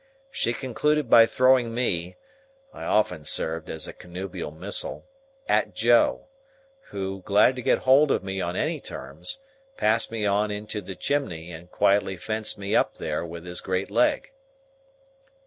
She concluded by throwing me—I often served as a connubial missile—at Joe, who, glad to get hold of me on any terms, passed me on into the chimney and quietly fenced me up there with his great leg.